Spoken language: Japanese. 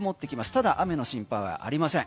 ただ雨の心配はありません。